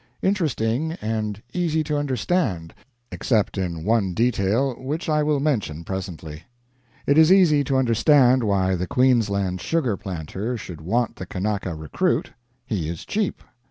Interesting, and easy to understand except in one detail, which I will mention presently. It is easy to understand why the Queensland sugar planter should want the Kanaka recruit: he is cheap.